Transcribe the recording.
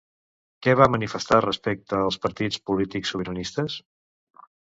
Què va manifestar respecte els partits polítics sobiranistes?